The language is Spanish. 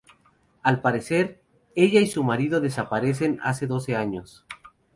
Al parecer, ella y su marido desaparecieron hace doce años.